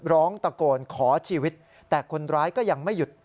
ร้องตะโกนขอชีวิตแต่คนร้ายก็ยังไม่หยุด